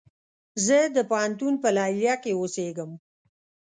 زه د پوهنتون په ليليه کې اوسيږم